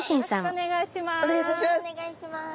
お願いいたします。